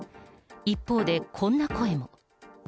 一方でこんな声も。